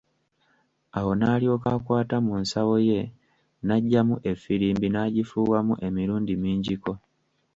Awo n'alyoka akwata mu nsawo ye n'aggyayo effirimbi n'afuuwamu emirundi mingiko.